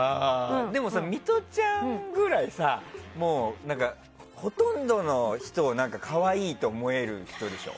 でも、ミトちゃんってほとんどの人を可愛いと思える人でしょ。